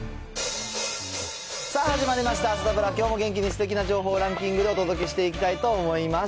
さあ、始まりました、サタプラ、きょうも元気にすてきな情報をランキングでお届けしていきたいと思います。